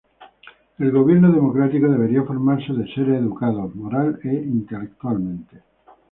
El gobierno democrático debería formarse de seres educados moral e intelectualmente.